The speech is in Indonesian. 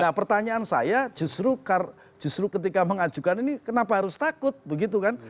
nah pertanyaan saya justru ketika mengajukan ini kenapa harus takut begitu kan